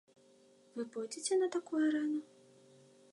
Вы пойдзеце на такую арэну?